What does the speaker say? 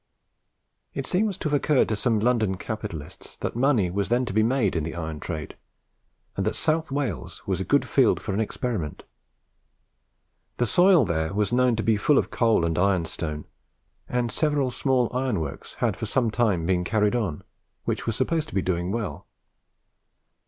It seems to have occurred to some London capitalists that money was then to be made in the iron trade, and that South Wales was a good field for an experiment. The soil there was known to be full of coal and ironstone, and several small iron works had for some time been carried on, which were supposed to be doing well.